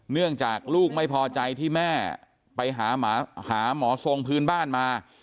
เนื่องจากลูกไม่พอใจที่แม่ไปหาหมอทรงพื้นบ้านมา